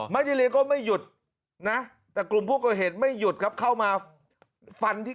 ไม่ได้เรียนก็ไม่หยุดนะแต่กลุ่มผู้ก่อเหตุไม่หยุดครับเข้ามาฟันที่